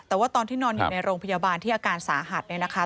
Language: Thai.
แต่ว่าตอนที่นอนอยู่ในโรงพยาบาลที่อาการสาหัสเนี่ยนะคะ